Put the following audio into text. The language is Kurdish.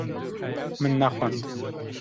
Min nexwend.